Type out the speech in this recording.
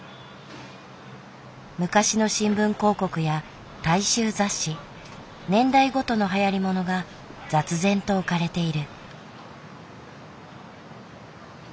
昔の新聞広告や大衆雑誌年代ごとのはやりものが雑然と置かれている。